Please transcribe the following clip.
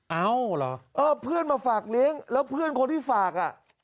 เอาเหรอเออเพื่อนมาฝากเลี้ยงแล้วเพื่อนคนที่ฝากอ่ะ